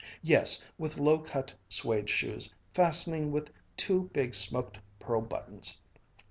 Yes, with low cut suede shoes, fastening with two big smoked pearl buttons."